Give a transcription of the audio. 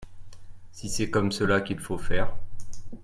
Si c’est comme cela qu’il faut faire